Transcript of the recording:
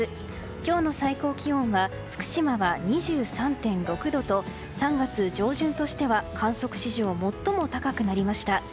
今日の最高気温は福島は２３．６度と３月上旬としては観測史上最も高くなりました。